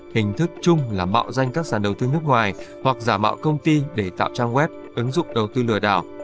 hình thức chung là mạo danh các sản đầu tư nước ngoài hoặc giả mạo công ty để tạo trang web ứng dụng đầu tư lừa đảo